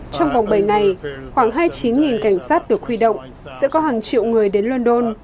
trong vòng bảy ngày khoảng hai mươi chín cảnh sát được khuy động sẽ có hàng triệu người đến london